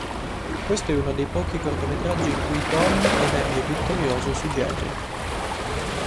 Questo è uno dei pochi cortometraggi in cui Tom emerge vittorioso su Jerry.